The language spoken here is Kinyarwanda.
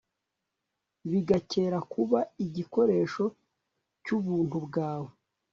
bigakera kuba igikoresho cy'ubuntu bwawe